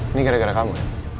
ini gara gara kamu